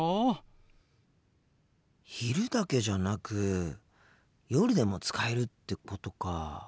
心の声昼だけじゃなく夜でも使えるってことか。